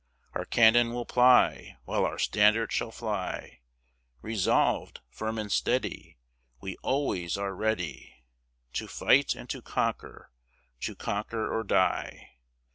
Our cannon we'll ply, While our standard shall fly; Resolved, firm, and steady, We always are ready To fight, and to conquer, to conquer or die.